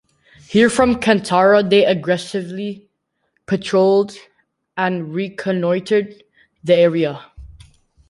Here, from Kantara, they aggressively patrolled and reconnoitred the area.